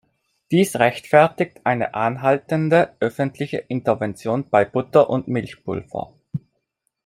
Dies rechtfertigt eine anhaltende öffentliche Intervention bei Butter und Milchpulver.